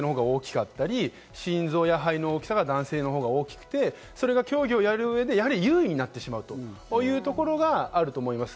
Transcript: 骨格が男性のほうが大きかったり、心臓や肺の大きさが男性のほうが大きくて、競技をやる上で優位になってしまうという部分があると思います。